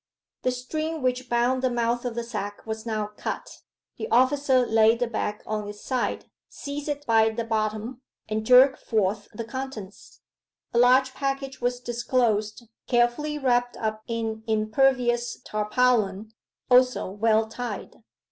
The string which bound the mouth of the sack was now cut. The officer laid the bag on its side, seized it by the bottom, and jerked forth the contents. A large package was disclosed, carefully wrapped up in impervious tarpaulin, also well tied.